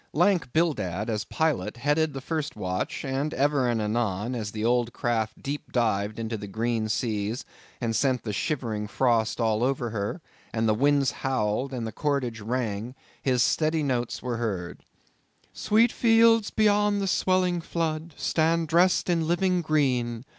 Lank Bildad, as pilot, headed the first watch, and ever and anon, as the old craft deep dived into the green seas, and sent the shivering frost all over her, and the winds howled, and the cordage rang, his steady notes were heard,— _"Sweet fields beyond the swelling flood, Stand dressed in living green.